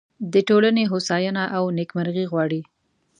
د ټولنې هوساینه او نیکمرغي غواړي.